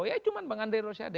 ya cuma bang andreus ada